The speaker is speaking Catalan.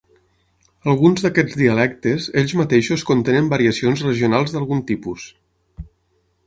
Alguns d'aquests dialectes, ells mateixos contenen variacions regionals d'algun tipus.